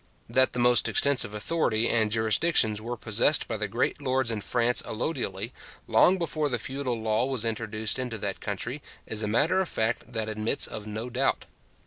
That the most extensive authority and jurisdictions were possessed by the great lords in France allodially, long before the feudal law was introduced into that country, is a matter of fact that admits of no doubt.